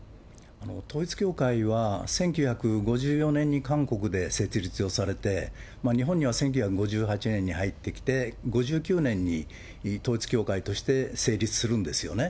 統一教会は１９５４年に韓国で設立をされて、日本には１９５８年に入ってきて、５９年に統一教会として成立するんですよね。